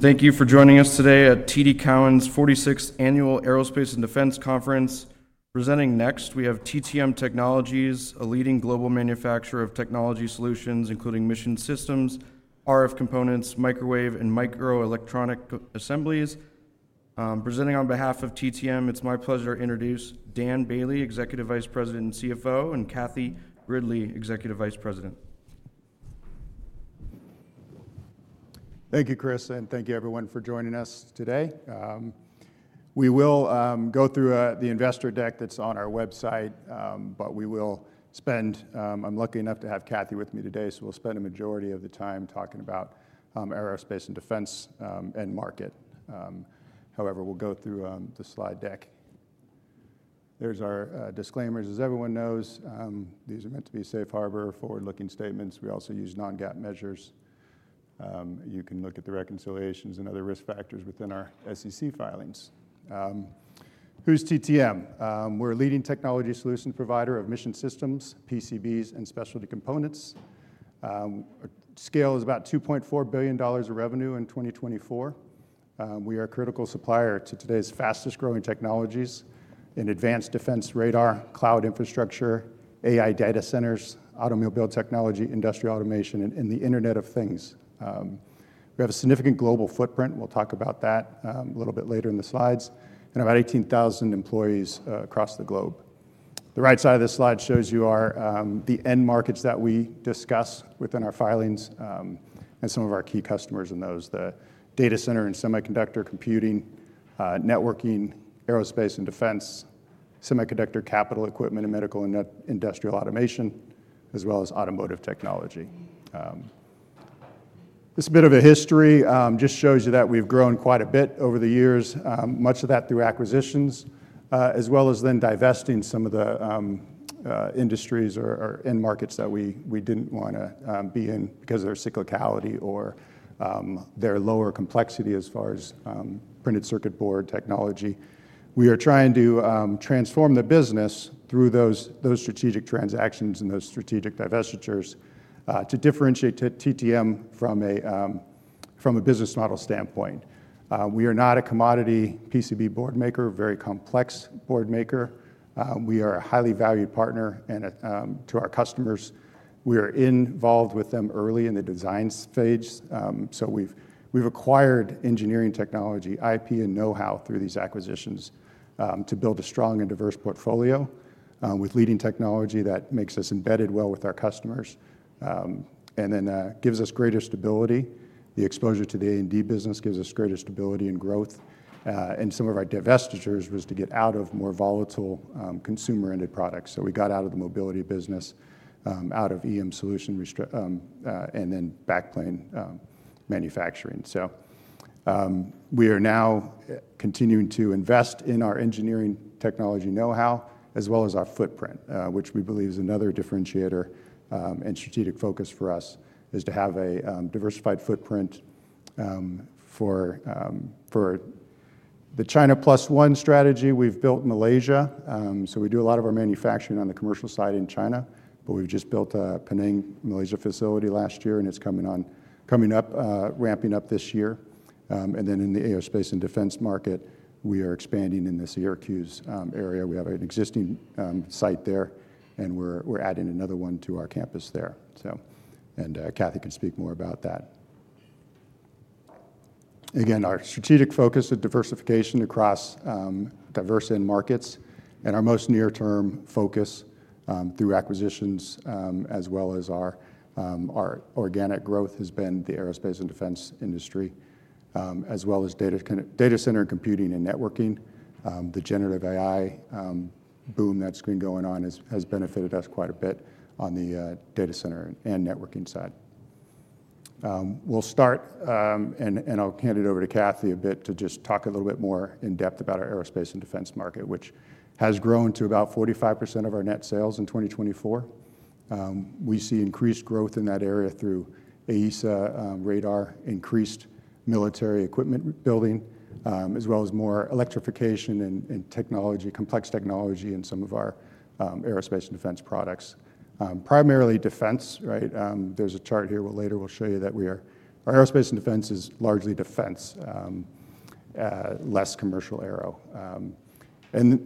Thank you for joining us today at TD Cowen's 46th Annual Aerospace and Defense Conference. Presenting next, we have TTM Technologies, a leading global manufacturer of technology solutions, including mission systems, RF components, microwave, and microelectronic assemblies. Presenting on behalf of TTM, it's my pleasure to introduce Daniel Boehle, Executive Vice President and CFO, and Catherine Gridley, Executive Vice President. Thank you, Chris, and thank you, everyone, for joining us today. We will go through the investor deck that's on our website, but we will spend. I'm lucky enough to have Cathie with me today, so we'll spend a majority of the time talking about aerospace and defense and market. However, we'll go through the slide deck. There's our disclaimers. As everyone knows, these are meant to be safe harbor, forward-looking statements. We also use non-GAAP measures. You can look at the reconciliations and other risk factors within our SEC filings. Who's TTM? We're a leading technology solutions provider of mission systems, PCBs, and specialty components. Sales is about $2.4 billion of revenue in 2024. We are a critical supplier to today's fastest-growing technologies in advanced defense radar, cloud infrastructure, AI data centers, automobile technology, industrial automation, and the Internet of Things. We have a significant global footprint. We'll talk about that a little bit later in the slides, and about 18,000 employees across the globe. The right side of this slide shows you the end markets that we discuss within our filings and some of our key customers in those: the data center and semiconductor computing, networking, aerospace and defense, semiconductor capital equipment, and medical and industrial automation, as well as automotive technology. This is a bit of a history. It just shows you that we've grown quite a bit over the years, much of that through acquisitions, as well as then divesting some of the industries or end markets that we didn't want to be in because of their cyclicality or their lower complexity as far as printed circuit board technology. We are trying to transform the business through those strategic transactions and those strategic divestitures to differentiate TTM from a business model standpoint. We are not a commodity PCB board maker, a very complex board maker. We are a highly valued partner to our customers. We are involved with them early in the design stage, so we've acquired engineering technology, IP, and know-how through these acquisitions to build a strong and diverse portfolio with leading technology that makes us embedded well with our customers and then gives us greater stability. The exposure to the A&D business gives us greater stability and growth, and some of our divestitures were to get out of more volatile consumer-ended products, so we got out of the Mobility business, out of EM solutions, and then backplane manufacturing. So we are now continuing to invest in our engineering technology know-how as well as our footprint, which we believe is another differentiator and strategic focus for us, is to have a diversified footprint for the China Plus One strategy we've built in Malaysia. So we do a lot of our manufacturing on the commercial side in China, but we've just built a Penang, Malaysia, facility last year, and it's coming up, ramping up this year. And then in the aerospace and defense market, we are expanding in the Syracuse area. We have an existing site there, and we're adding another one to our campus there. And Cathie can speak more about that. Again, our strategic focus is diversification across diverse end markets. Our most near-term focus through acquisitions, as well as our organic growth, has been the aerospace and defense industry, as well as data center and computing and networking. The Generative AI boom that's been going on has benefited us quite a bit on the data center and networking side. We'll start, and I'll hand it over to Cathie a bit to just talk a little bit more in depth about our aerospace and defense market, which has grown to about 45% of our net sales in 2024. We see increased growth in that area through AESA radar, increased military equipment building, as well as more electrification and complex technology in some of our aerospace and defense products. Primarily defense, right? There's a chart here. Later we'll show you that our aerospace and defense is largely defense, less commercial aero.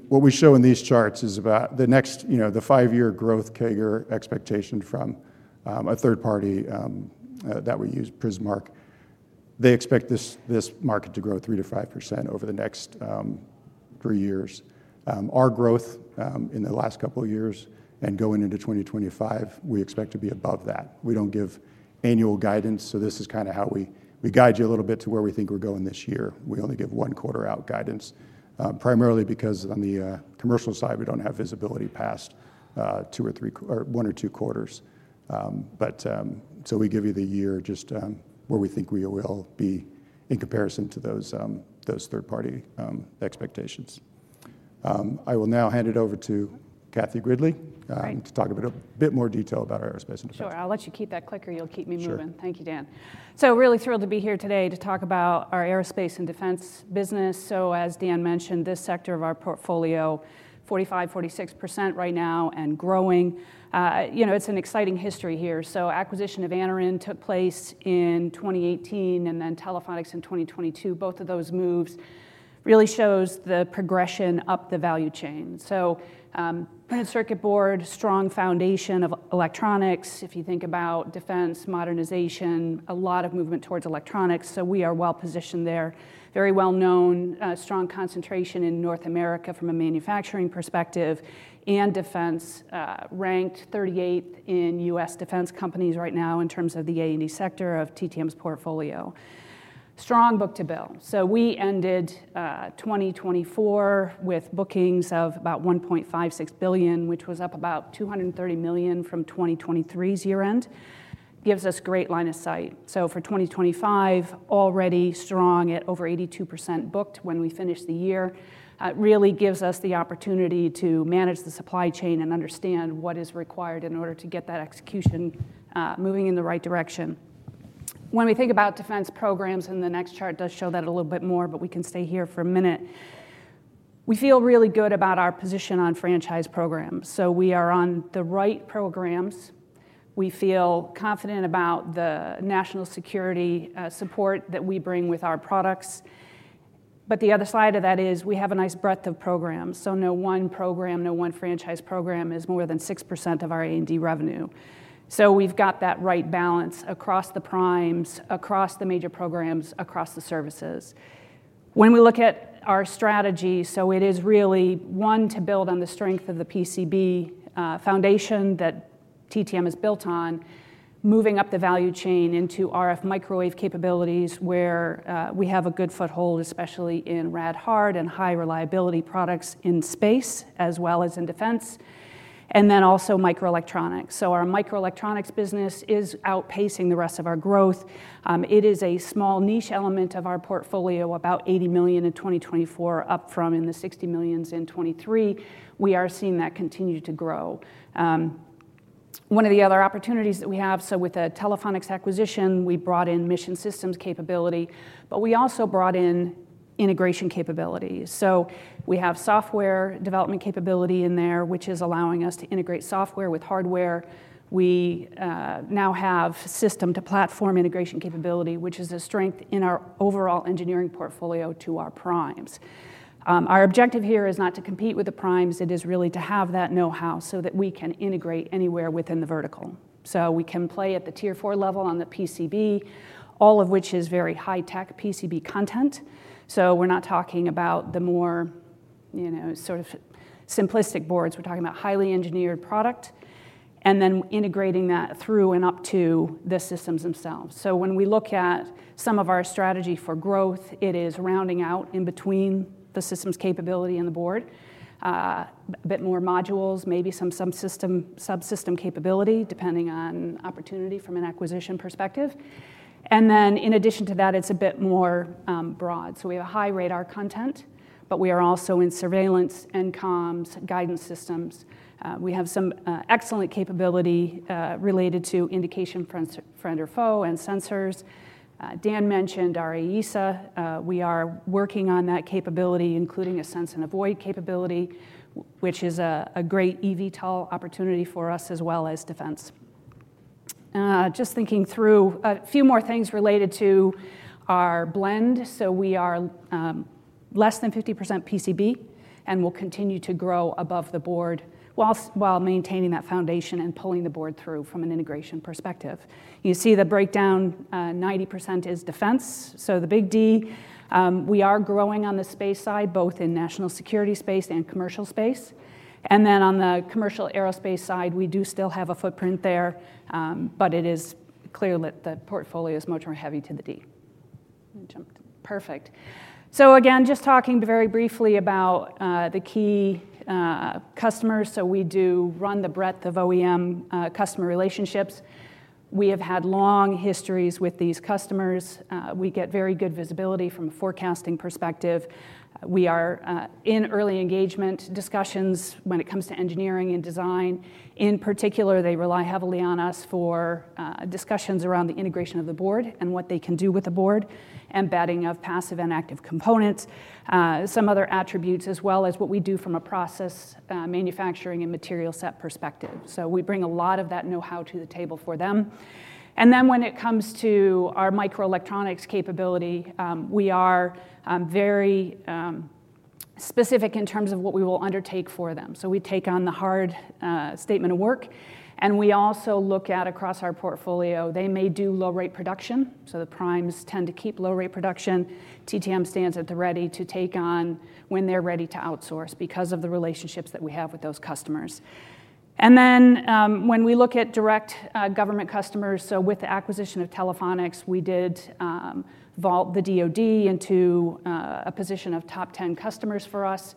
What we show in these charts is about the next five-year growth CAGR expectation from a third party that we use, Prismark. They expect this market to grow 3%-5% over the next three years. Our growth in the last couple of years and going into 2025, we expect to be above that. We don't give annual guidance, so this is kind of how we guide you a little bit to where we think we're going this year. We only give one quarter-out guidance, primarily because on the commercial side, we don't have visibility past two or three or one or two quarters. But so we give you the year just where we think we will be in comparison to those third-party expectations. I will now hand it over to Cathie Gridley to talk a bit more detail about our aerospace and defense. Sure. I'll let you keep that clicker. You'll keep me moving. Thank you, Dan. So really thrilled to be here today to talk about our aerospace and defense business. So as Dan mentioned, this sector of our portfolio, 45%-46% right now and growing. It's an exciting history here. So acquisition of Anaren took place in 2018 and then Telephonics in 2022. Both of those moves really show the progression up the value chain. So printed circuit board, strong foundation of electronics. If you think about defense modernization, a lot of movement towards electronics. So we are well positioned there. Very well-known, strong concentration in North America from a manufacturing perspective. And defense ranked 38th in U.S. defense companies right now in terms of the A&D sector of TTM's portfolio. Strong book-to-bill. So we ended 2024 with bookings of about $1.56 billion, which was up about $230 million from 2023's year-end. Gives us great line of sight. So for 2025, already strong at over 82% booked when we finish the year. Really gives us the opportunity to manage the supply chain and understand what is required in order to get that execution moving in the right direction. When we think about defense programs, and the next chart does show that a little bit more, but we can stay here for a minute. We feel really good about our position on franchise programs. So we are on the right programs. We feel confident about the national security support that we bring with our products. But the other side of that is we have a nice breadth of programs. No one program, no one franchise program is more than 6% of our A&D revenue. We've got that right balance across the primes, across the major programs, across the services. When we look at our strategy, it is really one to build on the strength of the PCB foundation that TTM has built on, moving up the value chain into RF microwave capabilities where we have a good foothold, especially in rad-hard and high reliability products in space as well as in defense. Then also microelectronics. Our microelectronics business is outpacing the rest of our growth. It is a small niche element of our portfolio, about $80 million in 2024, up from the $60 million in 2023. We are seeing that continue to grow. One of the other opportunities that we have, so with a Telephonics acquisition, we brought in mission systems capability, but we also brought in integration capabilities. So we have software development capability in there, which is allowing us to integrate software with hardware. We now have system-to-platform integration capability, which is a strength in our overall engineering portfolio to our primes. Our objective here is not to compete with the primes. It is really to have that know-how so that we can integrate anywhere within the vertical. So we can play at the tier four level on the PCB, all of which is very high-tech PCB content. So we're not talking about the more sort of simplistic boards. We're talking about highly engineered product and then integrating that through and up to the systems themselves. So when we look at some of our strategy for growth, it is rounding out in between the systems capability and the board, a bit more modules, maybe some subsystem capability depending on opportunity from an acquisition perspective. And then in addition to that, it's a bit more broad. So we have high radar content, but we are also in surveillance and comms guidance systems. We have some excellent capability related to Identification Friend or Foe and sensors. Dan mentioned our AESA. We are working on that capability, including a Sense and Avoid capability, which is a great eVTOL opportunity for us as well as defense. Just thinking through a few more things related to our blend. So we are less than 50% PCB and will continue to grow above the board while maintaining that foundation and pulling the board through from an integration perspective. You see the breakdown; 90% is defense. So the big D, we are growing on the space side, both in national security space and commercial space. And then on the commercial aerospace side, we do still have a footprint there, but it is clear that the portfolio is much more heavy to the D. Perfect. So again, just talking very briefly about the key customers. So we do run the breadth of OEM customer relationships. We have had long histories with these customers. We get very good visibility from a forecasting perspective. We are in early engagement discussions when it comes to engineering and design. In particular, they rely heavily on us for discussions around the integration of the board and what they can do with the board, embedding of passive and active components, some other attributes, as well as what we do from a process manufacturing and material set perspective, so we bring a lot of that know-how to the table for them, and then when it comes to our microelectronics capability, we are very specific in terms of what we will undertake for them, so we take on the hard statement of work, and we also look at across our portfolio. They may do low-rate production, so the primes tend to keep low-rate production. TTM stands at the ready to take on when they're ready to outsource because of the relationships that we have with those customers. And then, when we look at direct government customers, so with the acquisition of Telephonics, we did vault the DOD into a position of top 10 customers for us.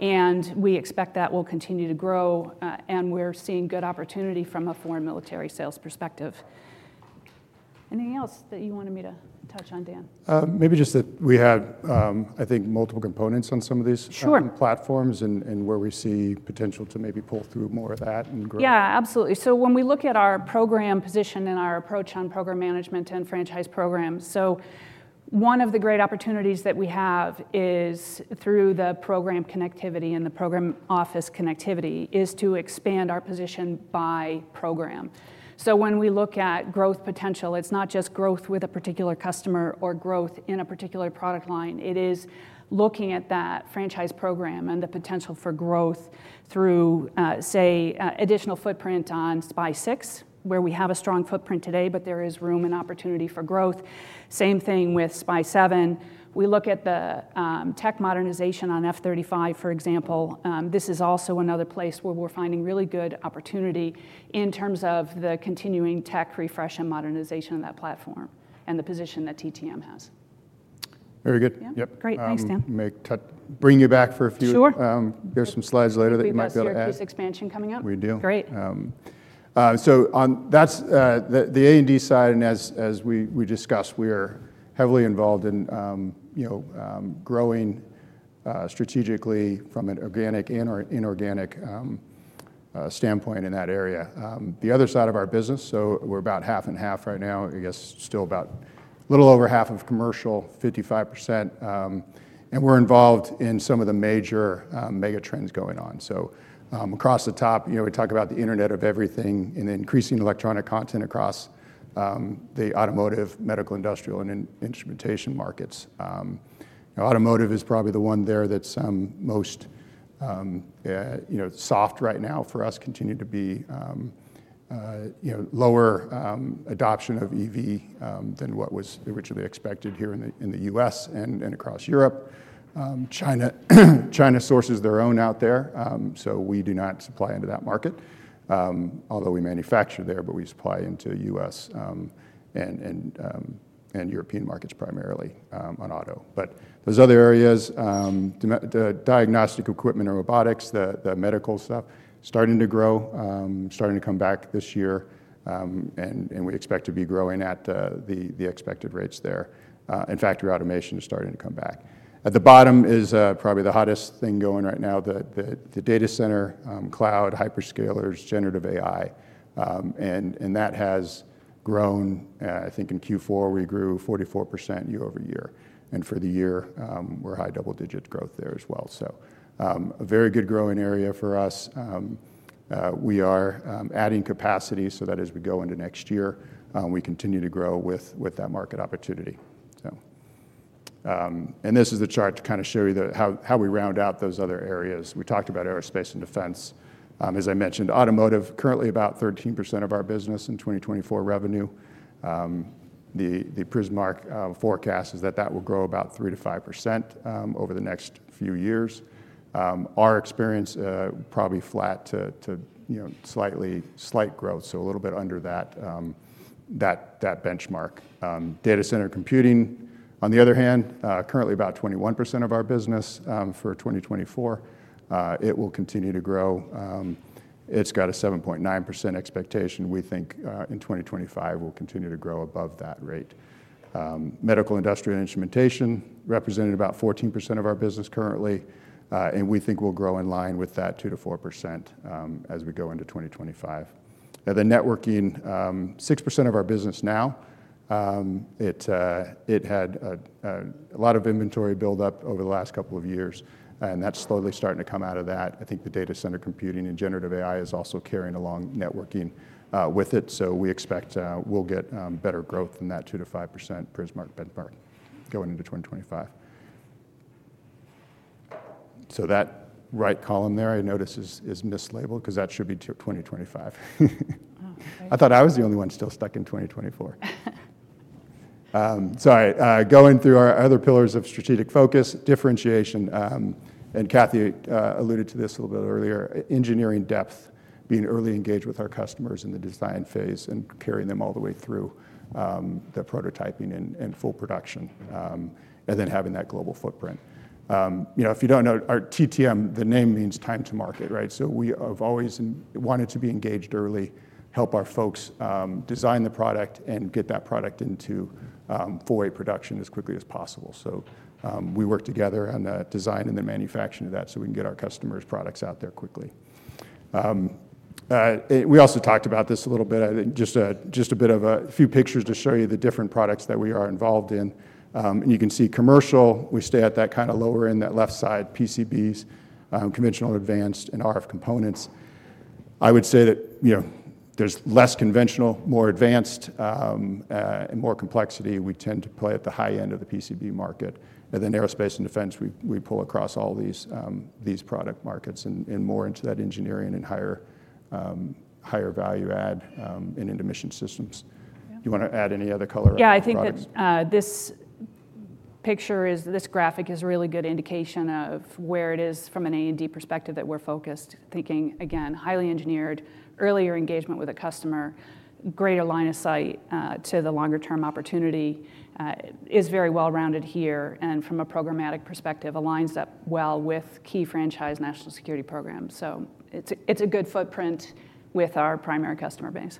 And we expect that will continue to grow. And we're seeing good opportunity from a Foreign Military Sales perspective. Anything else that you wanted me to touch on, Dan? Maybe just that we have, I think, multiple components on some of these platforms and where we see potential to maybe pull through more of that and grow. Yeah, absolutely. So when we look at our program position and our approach on program management and franchise programs, so one of the great opportunities that we have is through the program connectivity and the program office connectivity is to expand our position by program. So when we look at growth potential, it's not just growth with a particular customer or growth in a particular product line. It is looking at that franchise program and the potential for growth through, say, additional footprint on AN/SPY-6, where we have a strong footprint today, but there is room and opportunity for growth. Same thing with AN/SPY-7. We look at the tech modernization on F-35, for example. This is also another place where we're finding really good opportunity in terms of the continuing tech refresh and modernization of that platform and the position that TTM has. Very good. Yep. Great. Thanks, Dan. May bring you back for a few. Sure. There's some slides later that you might be able to add. Yes, there's expansion coming up. We do. Great. So that's the A&D side. And as we discussed, we are heavily involved in growing strategically from an organic and/or inorganic standpoint in that area. The other side of our business, so we're about half and half right now, I guess still about a little over half of commercial, 55%. And we're involved in some of the major mega trends going on. So across the top, we talk about the Internet of Everything and the increasing electronic content across the automotive, medical, industrial, and instrumentation markets. Automotive is probably the one there that's most soft right now for us, continue to be lower adoption of EV than what was originally expected here in the U.S. and across Europe. China sources their own out there. So we do not supply into that market, although we manufacture there, but we supply into U.S. and European markets primarily on auto. But those other areas, diagnostic equipment and robotics, the medical stuff, are starting to grow, starting to come back this year. We expect to be growing at the expected rates there. Factory automation is starting to come back. At the bottom is probably the hottest thing going right now, the data center, cloud, hyperscalers, generative AI. That has grown. I think in Q4, we grew 44% year over year. For the year, we're high double-digit growth there as well. So a very good growing area for us. We are adding capacity so that as we go into next year, we continue to grow with that market opportunity. This is the chart to kind of show you how we round out those other areas. We talked about aerospace and defense. As I mentioned, automotive, currently about 13% of our business in 2024 revenue. The Prismark forecast is that that will grow about 3%-5% over the next few years. Our experience probably flat to slight growth, so a little bit under that benchmark. Data center computing, on the other hand, currently about 21% of our business for 2024. It will continue to grow. It's got a 7.9% expectation. We think in 2025, we'll continue to grow above that rate. Medical, industrial, and instrumentation represented about 14% of our business currently. We think we'll grow in line with that 2%-4% as we go into 2025. The networking, 6% of our business now. It had a lot of inventory buildup over the last couple of years. That's slowly starting to come out of that. I think the data center computing and generative AI is also carrying along networking with it. We expect we'll get better growth than that 2%-5% Prismark benchmark going into 2025. That right column there, I noticed, is mislabeled because that should be 2025. I thought I was the only one still stuck in 2024. Sorry. Going through our other pillars of strategic focus, differentiation, and Cathie alluded to this a little bit earlier: engineering depth, being engaged early with our customers in the design phase and carrying them all the way through the prototyping and full production, and then having that global footprint. If you don't know, our TTM, the name means time to market, right? We have always wanted to be engaged early, help our folks design the product and get that product into full-rate production as quickly as possible. So we work together on the design and the manufacturing of that so we can get our customers' products out there quickly. We also talked about this a little bit. I think just a bit of a few pictures to show you the different products that we are involved in. And you can see commercial, we stay at that kind of lower end, that left side, PCBs, conventional, advanced, and RF components. I would say that there's less conventional, more advanced, and more complexity. We tend to play at the high end of the PCB market. And then aerospace and defense, we pull across all these product markets and more into that engineering and higher value add and into mission systems. Do you want to add any other color? Yeah, I think that this picture, this graphic, is a really good indication of where it is from an A&D perspective that we're focused, thinking, again, highly engineered, earlier engagement with a customer, greater line of sight to the longer-term opportunity is very well-rounded here and from a programmatic perspective, aligns up well with key franchise national security programs. So it's a good footprint with our primary customer base.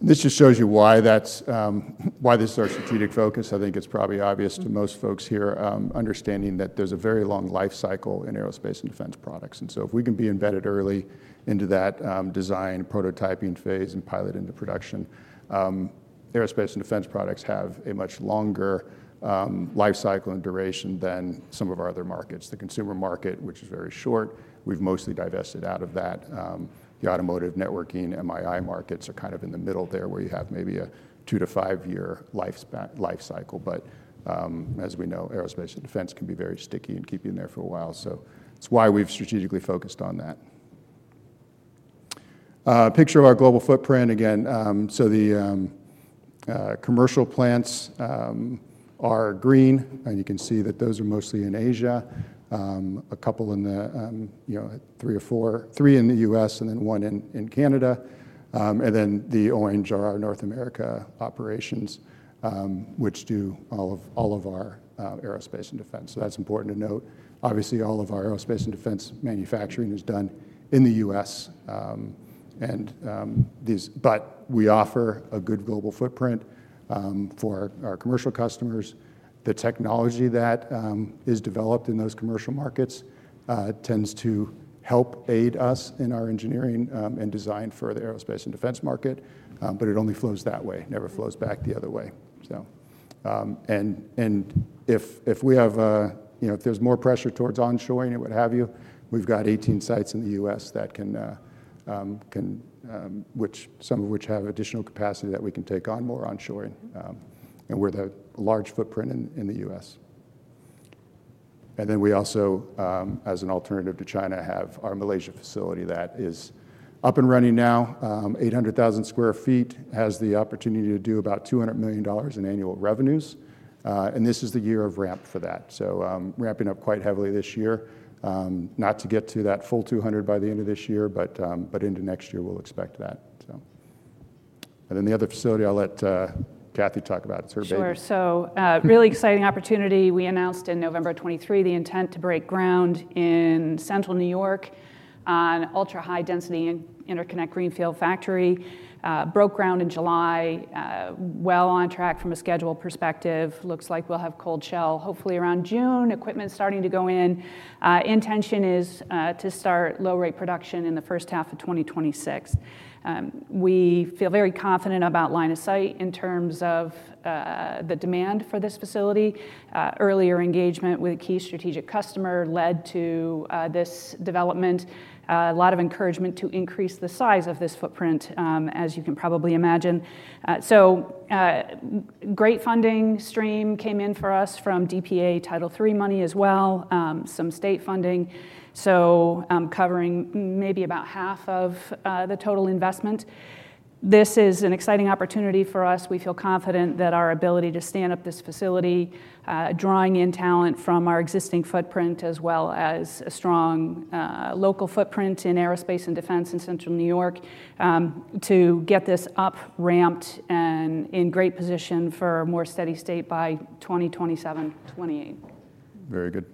This just shows you why this is our strategic focus. I think it's probably obvious to most folks here, understanding that there's a very long life cycle in aerospace and defense products, and so if we can be embedded early into that design, prototyping phase, and pilot into production, aerospace and defense products have a much longer life cycle and duration than some of our other markets. The consumer market, which is very short, we've mostly divested out of that. The automotive networking, MII markets are kind of in the middle there where you have maybe a two-to-five-year life cycle, but as we know, aerospace and defense can be very sticky and keep you in there for a while, so it's why we've strategically focused on that. Picture of our global footprint, again, so the commercial plants are green. You can see that those are mostly in Asia, a couple in the three or four, three in the U.S. and then one in Canada. And then the orange are our North America operations, which do all of our aerospace and defense. So that's important to note. Obviously, all of our aerospace and defense manufacturing is done in the U.S. But we offer a good global footprint for our commercial customers. The technology that is developed in those commercial markets tends to help aid us in our engineering and design for the aerospace and defense market, but it only flows that way, never flows back the other way. And if there's more pressure towards onshoring and what have you, we've got 18 sites in the U.S. that can, some of which have additional capacity that we can take on more onshoring. We have a large footprint in the U.S. Then we also, as an alternative to China, have our Malaysia facility that is up and running now, 800,000 sq ft, has the opportunity to do about $200 million in annual revenues. This is the year of ramp for that. Ramping up quite heavily this year, not to get to that full 200 by the end of this year, but into next year, we'll expect that. Then the other facility I'll let Cathie talk about. It's her baby. Sure, so really exciting opportunity. We announced in November 2023 the intent to break ground in Central New York on Ultra-High-Density Interconnect greenfield factory. Broke ground in July, well on track from a schedule perspective. Looks like we'll have cold shell hopefully around June, equipment starting to go in. Intention is to start low-rate production in the first half of 2026. We feel very confident about line of sight in terms of the demand for this facility. Earlier engagement with a key strategic customer led to this development, a lot of encouragement to increase the size of this footprint, as you can probably imagine. So great funding stream came in for us from DPA Title III money as well, some state funding, so covering maybe about half of the total investment. This is an exciting opportunity for us. We feel confident that our ability to stand up this facility, drawing in talent from our existing footprint as well as a strong local footprint in aerospace and defense in Central New York, to get this up ramped and in great position for a more steady state by 2027-2028. Very good.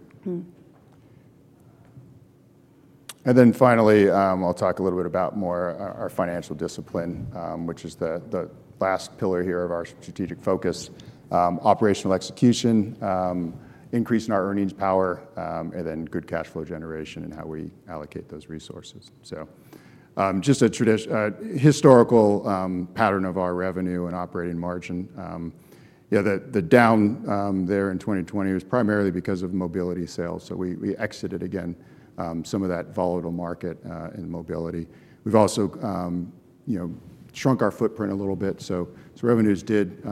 And then finally, I'll talk a little bit about more our financial discipline, which is the last pillar here of our strategic focus, operational execution, increase in our earnings power, and then good cash flow generation and how we allocate those resources. So just a historical pattern of our revenue and operating margin. The down there in 2020 was primarily because of Mobility sales. So we exited again some of that volatile market in Mobility. We've also shrunk our footprint a little bit. So revenues did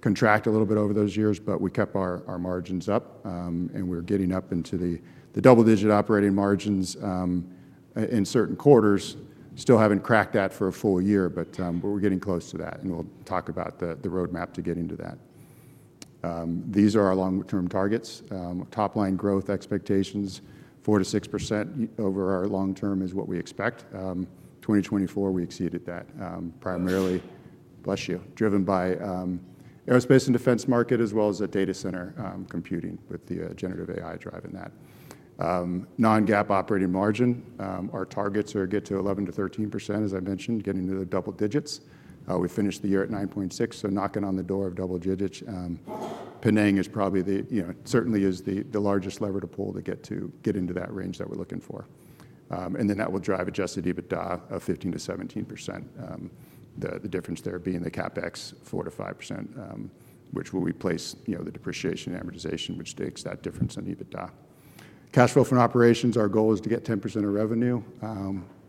contract a little bit over those years, but we kept our margins up. And we're getting up into the double-digit operating margins in certain quarters. Still haven't cracked that for a full year, but we're getting close to that. And we'll talk about the roadmap to getting to that. These are our long-term targets. Top-line growth expectations, 4%-6% over our long term is what we expect. 2024, we exceeded that primarily, bless you, driven by aerospace and defense market as well as the data center computing with the generative AI driving that. Non-GAAP operating margin, our targets are get to 11%-13%, as I mentioned, getting to the double digits. We finished the year at 9.6%, so knocking on the door of double digits. Penang is probably the certainly is the largest lever to pull to get into that range that we're looking for, and then that will drive adjusted EBITDA of 15%-17%. The difference there being the CapEx 4-5%, which will replace the depreciation amortization, which takes that difference on EBITDA. Cash flow for operations, our goal is to get 10% of revenue,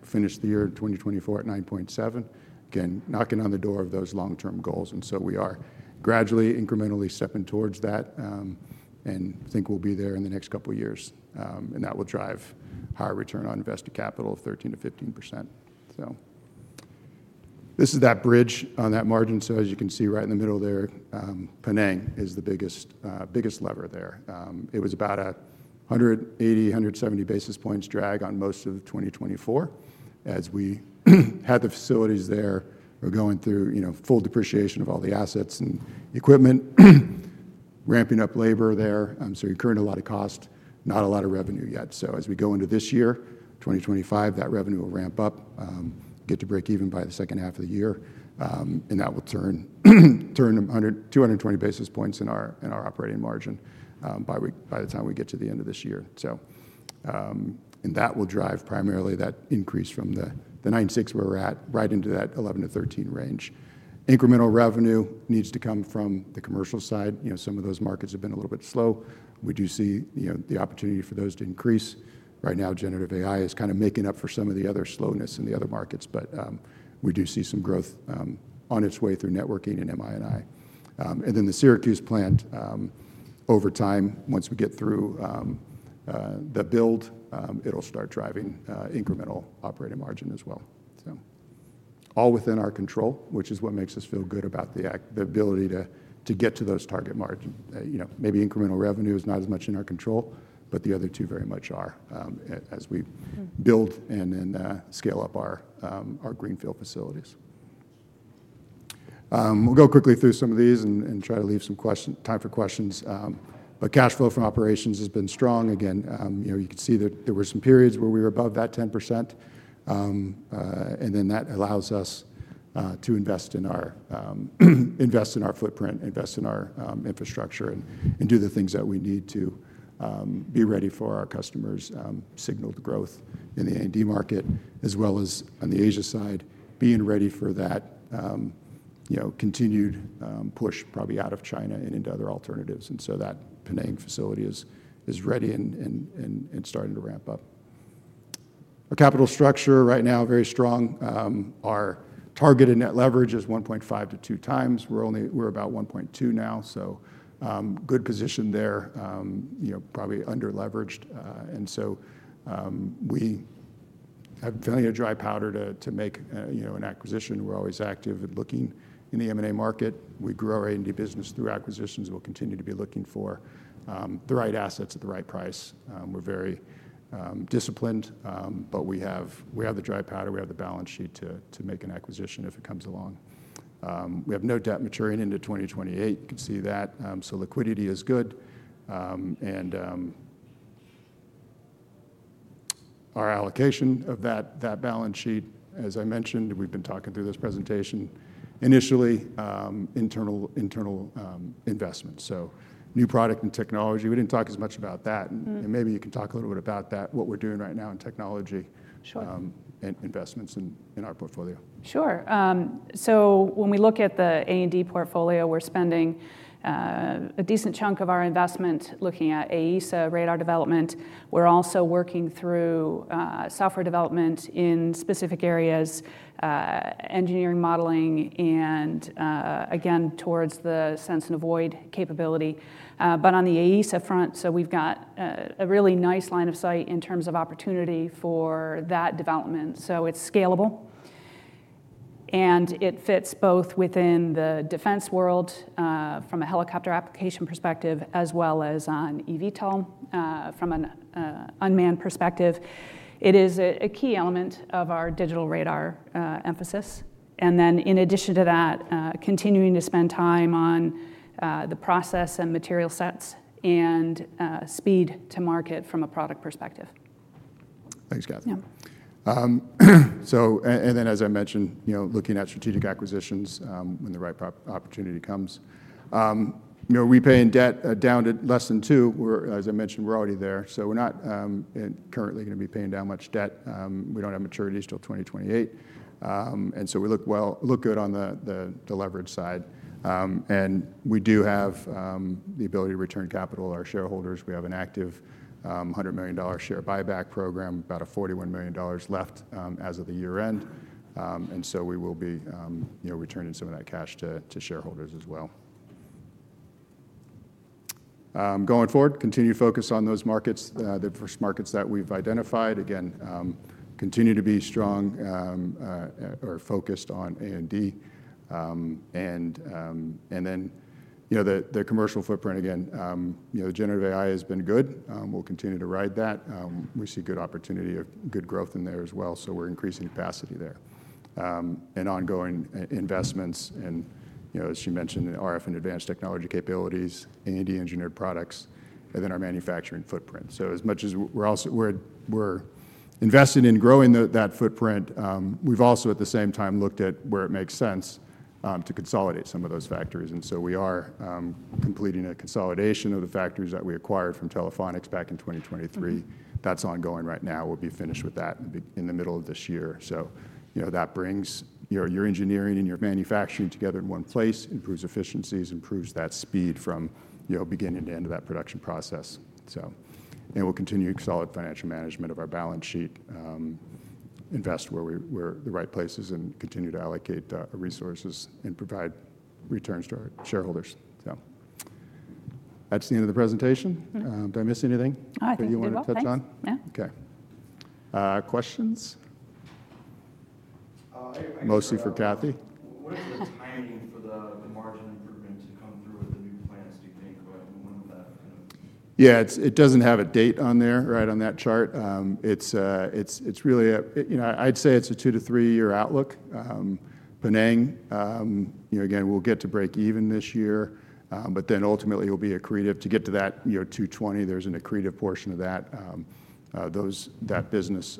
finish the year in 2024 at 9.7%. Again, knocking on the door of those long-term goals. And so we are gradually, incrementally stepping towards that. And I think we'll be there in the next couple of years. And that will drive higher return on invested capital of 13%-15%. So this is that bridge on that margin. So as you can see right in the middle there, Penang is the biggest lever there. It was about a 180-170 basis points drag on most of 2024. As we had the facilities there, we're going through full depreciation of all the assets and equipment, ramping up labor there. So you're currently a lot of cost, not a lot of revenue yet. So as we go into this year, 2025, that revenue will ramp up, get to break even by the second half of the year. That will turn 220 basis points in our operating margin by the time we get to the end of this year. That will drive primarily that increase from the 9.6% where we're at right into that 11%-13% range. Incremental revenue needs to come from the commercial side. Some of those markets have been a little bit slow. We do see the opportunity for those to increase. Right now, generative AI is kind of making up for some of the other slowness in the other markets. But we do see some growth on its way through networking and MII. Then the Syracuse plant, over time, once we get through the build, it'll start driving incremental operating margin as well. All within our control, which is what makes us feel good about the ability to get to those target margins. Maybe incremental revenue is not as much in our control, but the other two very much are as we build and then scale up our greenfield facilities. We'll go quickly through some of these and try to leave some time for questions, but cash flow from operations has been strong. Again, you can see that there were some periods where we were above that 10%, and then that allows us to invest in our footprint, invest in our infrastructure, and do the things that we need to be ready for our customers' signaled growth in the A&D market, as well as on the Asia side, being ready for that continued push probably out of China and into other alternatives. And so that Penang facility is ready and starting to ramp up. Our capital structure right now, very strong. Our targeted net leverage is 1.5-2 times. We're about 1.2 now. So good position there, probably underleveraged. And so we have plenty of dry powder to make an acquisition. We're always active and looking in the M&A market. We grow our A&D business through acquisitions. We'll continue to be looking for the right assets at the right price. We're very disciplined, but we have the dry powder. We have the balance sheet to make an acquisition if it comes along. We have no debt maturing into 2028. You can see that. So liquidity is good. And our allocation of that balance sheet, as I mentioned, we've been talking through this presentation initially, internal investments. So new product and technology. We didn't talk as much about that. And maybe you can talk a little bit about that, what we're doing right now in technology and investments in our portfolio. Sure, so when we look at the A&D portfolio, we're spending a decent chunk of our investment looking at AESA radar development. We're also working through software development in specific areas, engineering modeling, and again, towards the Sense and Avoid capability, but on the AESA front, so we've got a really nice line of sight in terms of opportunity for that development, so it's scalable, and it fits both within the defense world from a helicopter application perspective as well as on eVTOL from an unmanned perspective. It is a key element of our digital radar emphasis, and then in addition to that, continuing to spend time on the process and material sets and speed to market from a product perspective. Thanks, Cathie. And then, as I mentioned, looking at strategic acquisitions when the right opportunity comes. We're paying debt down to less than two. As I mentioned, we're already there. So we're not currently going to be paying down much debt. We don't have maturity until 2028. And so we look good on the leverage side. And we do have the ability to return capital to our shareholders. We have an active $100 million share buyback program, about $41 million left as of the year end. And so we will be returning some of that cash to shareholders as well. Going forward, continue to focus on those markets, the first markets that we've identified. Again, continue to be strong or focused on A&D. And then the commercial footprint, again, Generative AI has been good. We'll continue to ride that. We see good opportunity of good growth in there as well, so we're increasing capacity there and ongoing investments, and as you mentioned, RF and advanced technology capabilities, A&D engineered products, and then our manufacturing footprint, so as much as we're investing in growing that footprint, we've also at the same time looked at where it makes sense to consolidate some of those factories, and so we are completing a consolidation of the factories that we acquired from Telephonics back in 2023. That's ongoing right now. We'll be finished with that in the middle of this year, so that brings your engineering and your manufacturing together in one place, improves efficiencies, improves that speed from beginning to end of that production process, and we'll continue solid financial management of our balance sheet, invest where we're the right places, and continue to allocate resources and provide returns to our shareholders. That's the end of the presentation. Did I miss anything? I think we're good. Anything else? Yeah. Okay. Questions? Mostly for Cathie. What is the timing for the margin improvement to come through with the new plans, do you think? When will that kind of? Yeah, it doesn't have a date on there, right on that chart. It's really, I'd say it's a two to three-year outlook. Penang, again, we'll get to break even this year. But then ultimately, it'll be accretive to get to that 220. There's an accretive portion of that. That business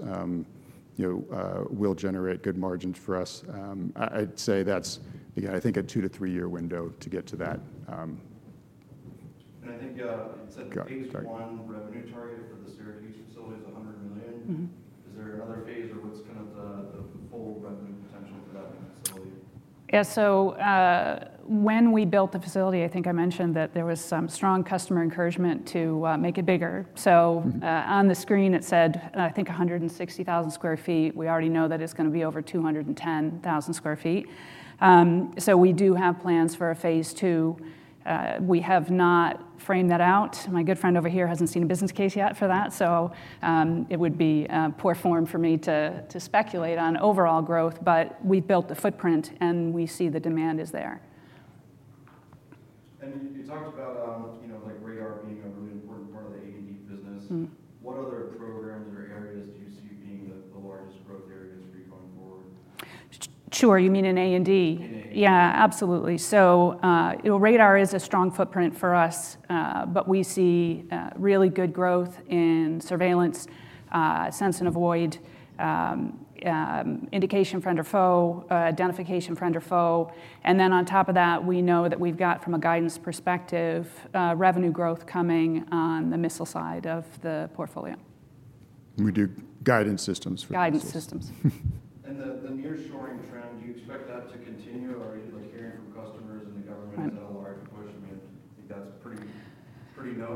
will generate good margins for us. I'd say that's, again, I think a two to three-year window to get to that. And I think you said phase one revenue target for the Syracuse facility is $100 million. Is there another phase or what's kind of the full revenue potential for that new facility? Yeah. So when we built the facility, I think I mentioned that there was some strong customer encouragement to make it bigger. So on the screen, it said, I think, 160,000 sq ft. We already know that it's going to be over 210,000 sq ft. So we do have plans for a phase II. We have not framed that out. My good friend over here hasn't seen a business case yet for that. So it would be poor form for me to speculate on overall growth. But we've built the footprint and we see the demand is there. You talked about radar being a really important part of the A&D business. What other programs or areas do you see being the largest growth areas for you going forward? Sure. You mean in A&D? In A&D. Yeah, absolutely. So radar is a strong footprint for us, but we see really good growth in surveillance, Sense and Avoid, Identification Friend or Foe, Identification Friend or Foe. And then on top of that, we know that we've got, from a guidance perspective, revenue growth coming on the missile side of the portfolio. We do guidance systems for the missile. Guidance systems. The nearshoring trend, do you expect that to continue? Are you hearing from customers and the government? Is that a large push? I mean, I think that's pretty known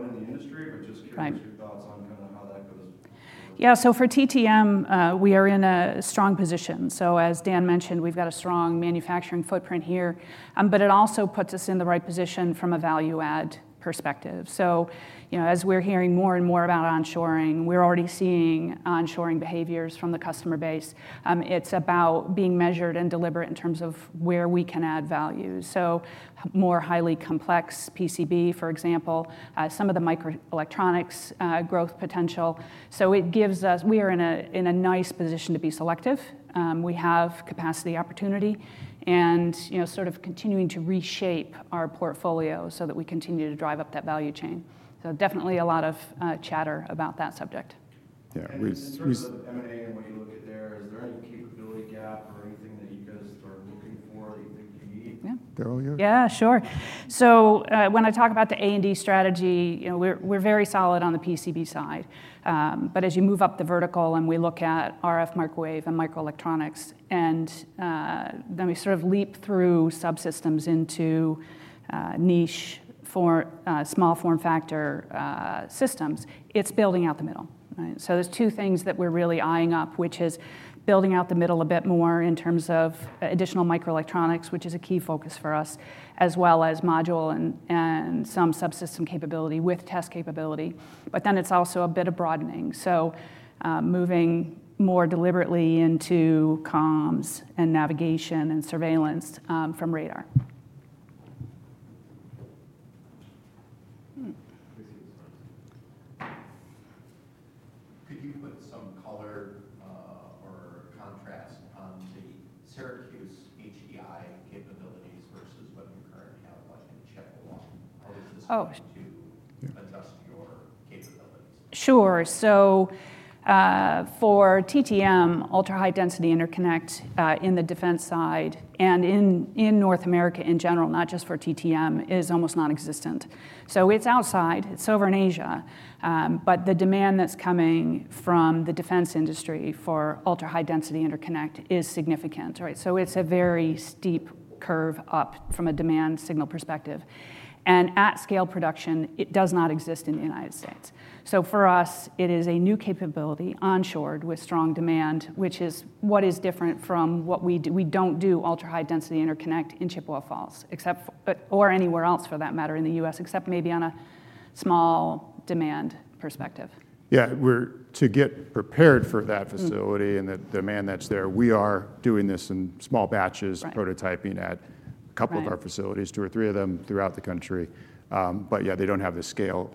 in the industry, but just curious your thoughts on kind of how that goes. Yeah. So for TTM, we are in a strong position. So as Dan mentioned, we've got a strong manufacturing footprint here. But it also puts us in the right position from a value-add perspective. So as we're hearing more and more about onshoring, we're already seeing onshoring behaviors from the customer base. It's about being measured and deliberate in terms of where we can add value. So more highly complex PCB, for example, some of the microelectronics growth potential. So it gives us, we are in a nice position to be selective. We have capacity opportunity and sort of continuing to reshape our portfolio so that we continue to drive up that value chain. So definitely a lot of chatter about that subject. Yeah. And when you look at there, is there any capability gap or anything that you guys are looking for that you think you need? Yeah. There will be. Yeah, sure. So when I talk about the A&D strategy, we're very solid on the PCB side. But as you move up the vertical and we look at RF, microwave, and microelectronics, and then we sort of leap through subsystems into niche small form factor systems, it's building out the middle. So there's two things that we're really eyeing up, which is building out the middle a bit more in terms of additional microelectronics, which is a key focus for us, as well as module and some subsystem capability with test capability. But then it's also a bit of broadening. So moving more deliberately into comms and navigation and surveillance from radar. Could you put some color or contrast on the Syracuse uHDI capabilities versus what you currently have in Chippewa? How does this relate to adjust your capabilities? Sure. So for TTM, Ultra-High-Density Interconnect in the defense side and in North America in general, not just for TTM, is almost nonexistent. So it's outside. It's over in Asia. But the demand that's coming from the defense industry for Ultra-High-Density Interconnect is significant. So it's a very steep curve up from a demand signal perspective. And at scale production, it does not exist in the United States. So for us, it is a new capability onshored with strong demand, which is what is different from what we do. We don't do Ultra-High-Density Interconnect in Chippewa Falls or anywhere else, for that matter, in the U.S., except maybe on a small demand perspective. Yeah. To get prepared for that facility and the demand that's there, we are doing this in small batches, prototyping at a couple of our facilities, two or three of them throughout the country. But yeah, they don't have the scale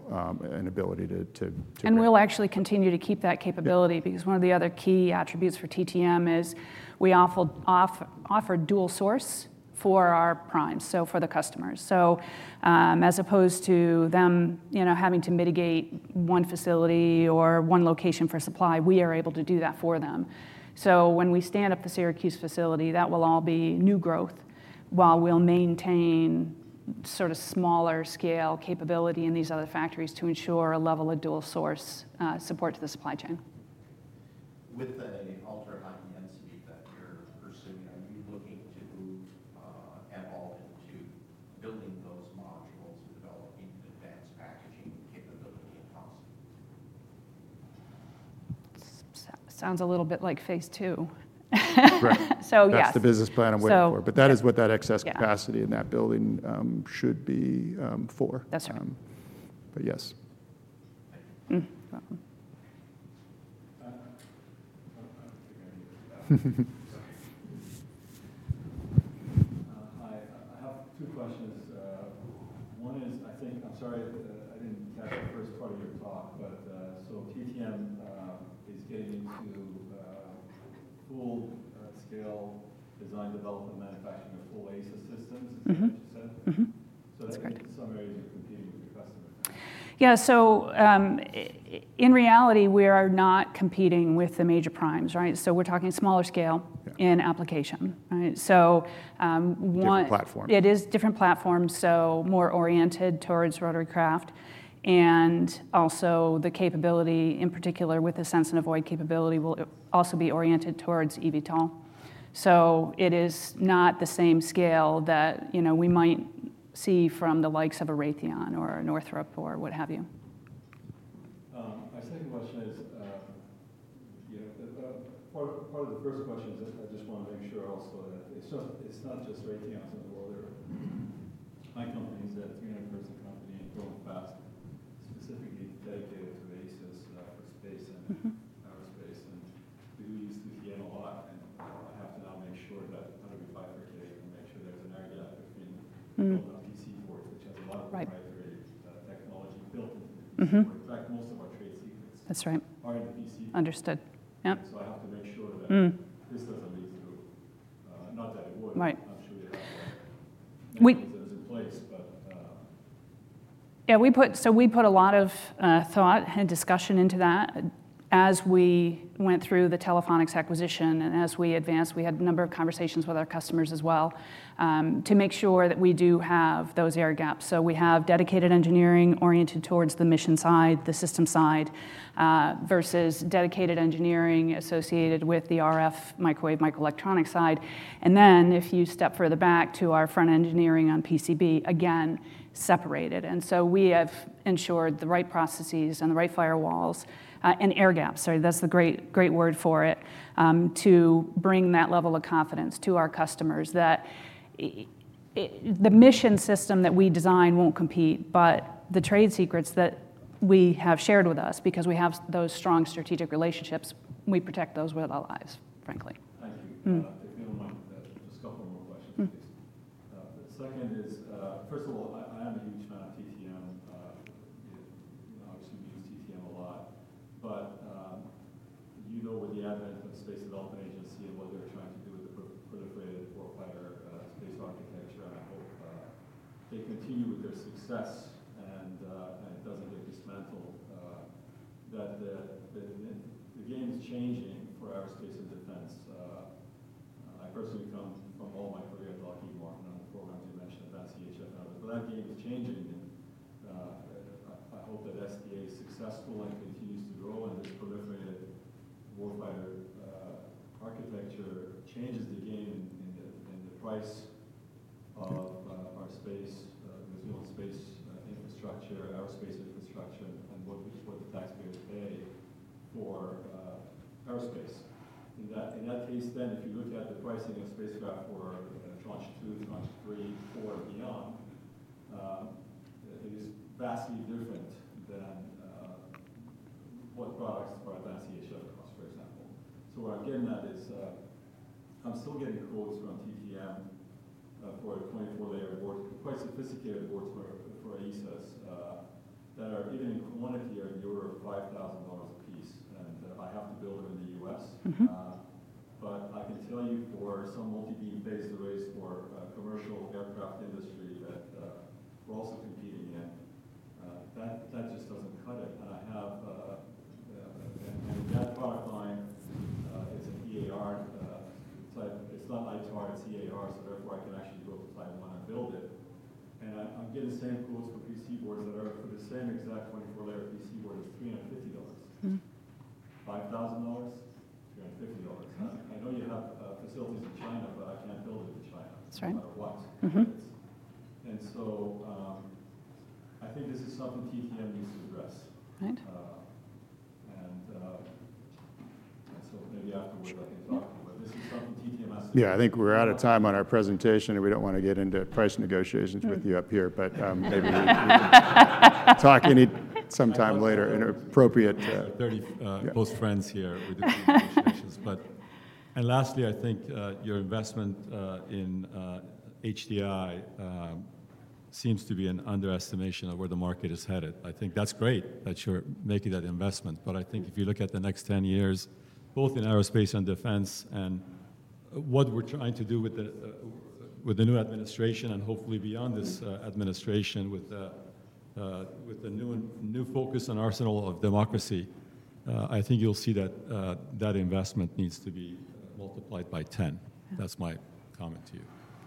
and ability to. And we'll actually continue to keep that capability because one of the other key attributes for TTM is we offer dual source for our primes, so for the customers. So as opposed to them having to mitigate one facility or one location for supply, we are able to do that for them. So when we stand up the Syracuse facility, that will all be new growth while we'll maintain sort of smaller scale capability in these other factories to ensure a level of dual source support to the supply chain. With the Ultra-High-Density that you're pursuing, are you looking to move at all into building those modules and developing advanced packaging capability and cost? Sounds a little bit like phase II. Right. So yes. That's the business plan we're waiting for. But that is what that excess capacity in that building should be for. That's right. But yes. I don't think I need to ask that. Hi. I have two questions. One is, I think, I'm sorry, I didn't catch the first part of your talk. But so TTM is getting into full scale design, development, manufacturing of full AESA systems, is that what you said? So I think in some areas you're competing with your customers. Yeah. So in reality, we are not competing with the major primes. So we're talking smaller scale in application. Different platform. It is different platforms, so more oriented towards rotary craft. And also the capability, in particular with the Sense and Avoid capability, will also be oriented towards eVTOL. So it is not the same scale that we might see from the likes of a Raytheon or a Northrop or what have you. My second question is, part of the first question is I just want to make sure also that it's not just Raytheon in the world. There are other companies, a 300-person company and growing fast, specifically dedicated to AESA for space and aerospace. And we do use TTM a lot. And I have to now make sure that under the ITAR and make sure there's an agreement between PCBs, which has a lot of ITAR technology built into the PCB. In fact, most of our trade secrets are in the PCB. That's right. Understood. Yeah. So, I have to make sure that this doesn't lead to, not that it would. I'm sure they have their mechanisms in place, but. Yeah. So we put a lot of thought and discussion into that as we went through the Telephonics acquisition. And as we advanced, we had a number of conversations with our customers as well to make sure that we do have those air gaps. So we have dedicated engineering oriented towards the mission side, the system side versus dedicated engineering associated with the RF, microwave, microelectronics side. And then if you step further back to our front engineering on PCB, again, separated. And so we have ensured the right processes and the right firewalls and air gaps. Sorry, that's the great word for it, to bring that level of confidence to our customers that the mission system that we design won't compete, but the trade secrets that we have shared with us because we have those strong strategic relationships, we protect those with our lives, frankly. Thank you. If you don't mind, just a couple more questions, please. The second is, first of all, I have a huge amount of TTM. Obviously, we use TTM a lot, but you know with the advent of Space Development Agency and what they're trying to do with the Proliferated Warfighter Space Architecture, and I hope they continue with their success and it doesn't get dismantled, that the game is changing for aerospace and defense. I personally come from all my career at Lockheed Martin and other programs you mentioned, Advanced EHF and others, but that game is changing, and I hope that SDA is successful and continues to grow, and this Proliferated Warfighter Architecture Changes the game and the price of our space, resilient space infrastructure, aerospace infrastructure, and what the taxpayers pay for aerospace. In that case, then, if you look at the pricing of spacecraft for Tranche 2, Tranche 3, 4, and beyond, it is vastly different than what products for Advanced EHF cost, for example. So what I'm getting at is I'm still getting quotes from TTM for a 24-layer board, quite sophisticated boards for AESAs that are even in quantity are in the order of $5,000 a piece. And I have to build them in the U.S. But I can tell you for some multibeam phased arrays for commercial aircraft industry that we're also competing in, that just doesn't cut it. And I have that product line. It's an EAR. It's not ITAR. It's EAR. So therefore, I can actually go to Taiwan and build it. And I'm getting the same quotes for PC boards that are for the same exact 24-layer PC board of $350. $5,000, $350.I know you have facilities in China, but I can't build it in China no matter what. And so I think this is something TTM needs to address. And so maybe afterwards, I can talk to you. But this is something TTM has to do. Yeah. I think we're out of time on our presentation, and we don't want to get into price negotiations with you up here. But maybe we can talk any sometime later at an appropriate. We're both friends here with the price negotiations, and lastly, I think your investment in HDI seems to be an underestimation of where the market is headed. I think that's great that you're making that investment, but I think if you look at the next 10 years, both in aerospace and defense and what we're trying to do with the new administration and hopefully beyond this administration with the new focus and arsenal of democracy, I think you'll see that that investment needs to be multiplied by 10. That's my comment to you.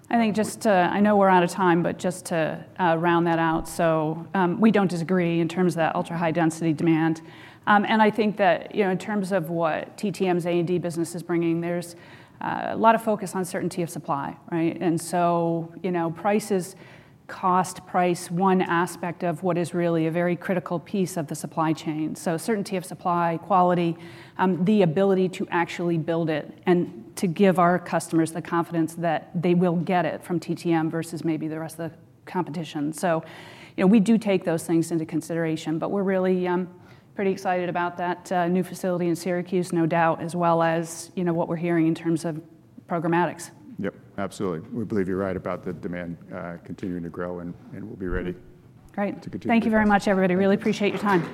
I think just I know we're out of time, but just to round that out, so we don't disagree in terms of that Ultra-High-Density demand. I think that in terms of what TTM's A&D business is bringing, there's a lot of focus on certainty of supply. So price is cost, price, one aspect of what is really a very critical piece of the supply chain. So certainty of supply, quality, the ability to actually build it and to give our customers the confidence that they will get it from TTM versus maybe the rest of the competition. We do take those things into consideration, but we're really pretty excited about that new facility in Syracuse, no doubt, as well as what we're hearing in terms of programmatics. Yep. Absolutely. We believe you're right about the demand continuing to grow, and we'll be ready to continue. Great. Thank you very much, everybody. Really appreciate your time.